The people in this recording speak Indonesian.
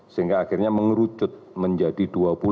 sehingga akhirnya mengerucut menjadi dua puluh